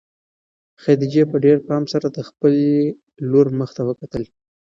خدیجې په ډېر پام سره د خپلې لور مخ ته وکتل.